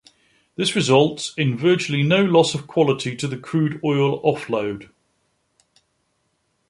This results in virtually no loss of quality to the crude oil offload.